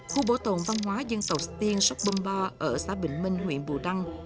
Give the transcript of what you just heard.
khu bổ tồn văn hóa dân tộc tiên sóc bông ba ở xã bình minh huyện bù đăng